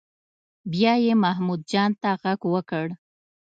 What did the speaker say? بیا یې محمود جان ته غږ وکړ.